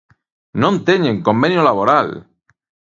¡Non teñen convenio laboral!